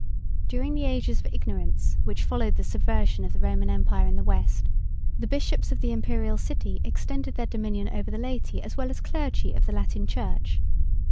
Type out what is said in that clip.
During the ages of ignorance which followed the subversion of the Roman empire in the West, the bishops of the Imperial city extended their dominion over the laity as well as clergy of the Latin church.